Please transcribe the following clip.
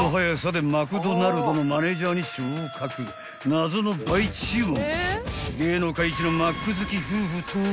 ［謎の倍注文］